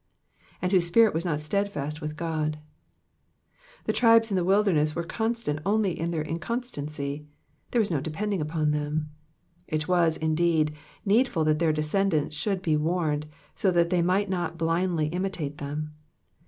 ^'•And whose spirit was not stedfast with Qod.^"* The tribes in the wilderness were constant only in their inconstancy ; there was no depending Digitized by VjOOQIC PSALM THE SEVENTY EIGHTH. 436 npon them. It was, indeed, needful that their descendants should be warned, so that they might not blindly imitate them.